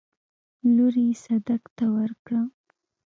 لور يې صدک ته ورکړه.